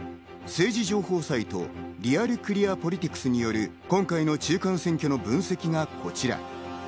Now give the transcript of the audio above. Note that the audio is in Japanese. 政治情報サイト、リアル・クリア・ポリティクスによる今回の中間選挙の分析がこちら。